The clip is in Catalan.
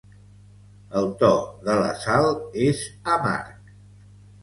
El to de la Sal és amarg.